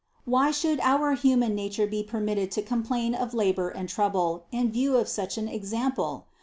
Why should our human na ture be permitted to complain of labor and trouble, in view of such an example?